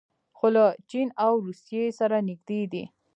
خو له چین او روسیې سره نږدې دي.